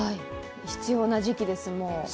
必要な時期です、もう。